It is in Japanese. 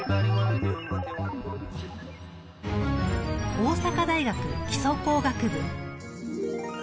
大阪大学基礎工学部。